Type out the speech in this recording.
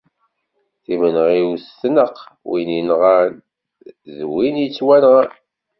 Timenɣiwt tneqq winn inɣan, d winn ittwanɣan.